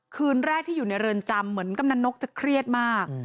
คืนแรกที่อยู่ในเรือนจำเหมือนกำนันนกจะเครียดมาก